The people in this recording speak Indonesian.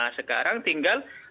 nah sekarang tinggal